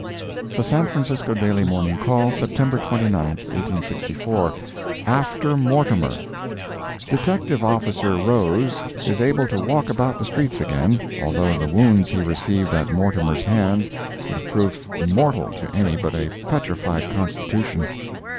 The San Francisco Daily Morning Call, September 29, 1864 AFTER MORTIMER Detective Officer Rose is able to walk about the streets again, although the wounds he received at Mortimer's hands would have proved mortal to any but a petrified constitution.